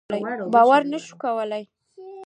باور نه شو کولای.